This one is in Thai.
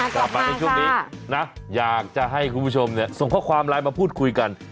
กลับมาในช่วงนี้นะอยากจะให้คุณผู้ชมส่งข้อความไลน์มาพูดคุยกัน